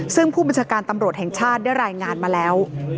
ซึ่งผู้บัญชาการตำรวจแห่งชาติได้รายงานมาแล้ว